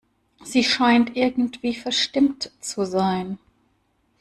Sie scheint irgendwie verstimmt zu sein.